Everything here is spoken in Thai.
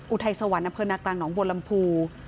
อุทัยสวรรค์อำเภอนากลางหนองบัวลำพู